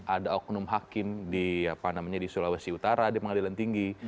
ada oknum hakim di sulawesi utara di pengadilan tinggi